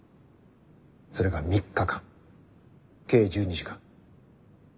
それが３日間計１２時間。